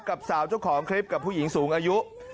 กับสาวเจ้าของคลิปกับผู้หญิงสูงอายุ